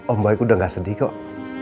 om baik udah gak sedih kok